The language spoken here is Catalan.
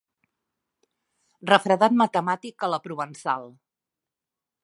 Refredat matemàtic a la provençal.